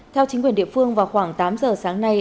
theo chính quyền địa phương vào khoảng tám giờ sáng nay